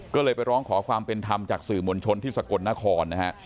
ก็เลยไปร้องขอความเป็นธรรมจากสื่อมวลชนที่สกลนครนะฮะ